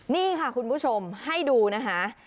นี่ค่ะคุณผู้ชมให้ดูนะคะ